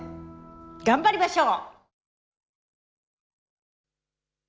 頑張りましょう！